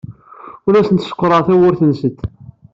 Ur asent-sekkṛeɣ tawwurt-nsent.